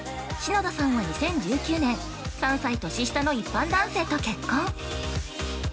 篠田さんは２０１９年、３歳年下の一般男性と結婚。